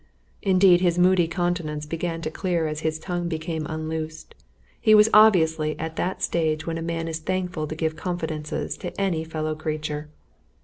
Indeed, his moody countenance began to clear as his tongue became unloosed; he was obviously at that stage when a man is thankful to give confidences to any fellow creature.